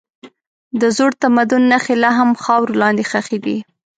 د زوړ تمدن نښې لا هم خاورو لاندې ښخي دي.